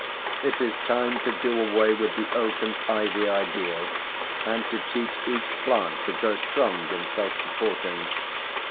It is time to do away with the oak and ivy ideal, and to teach each plant to grow strong and self supporting.